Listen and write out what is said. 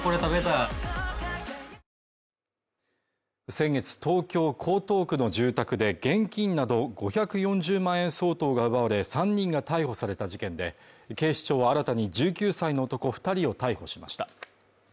先月東京江東区の住宅で現金など５４０万円相当が奪われ３人が逮捕された事件で、警視庁は新たに１９歳の男２人を逮捕しました。